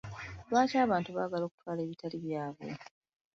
Lwaki abantu baagala okutwala ebitali byabwe?